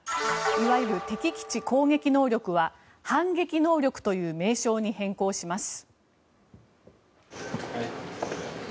いわゆる敵基地攻撃能力は反撃能力という名称に変更します。